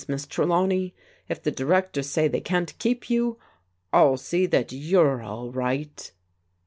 Miss Trelawney. If the directors say they can't keep you, I'll see that you're all right."